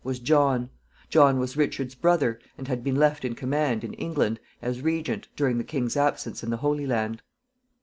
was John. John was Richard's brother, and had been left in command, in England, as regent, during the king's absence in the Holy Land.